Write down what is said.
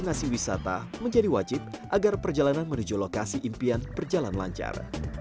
dan aplikasi wisata menjadi wajib agar perjalanan menuju lokasi impian perjalan lancar